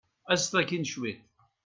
Aẓet akkin cwiṭ.